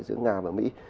giữa nga và mỹ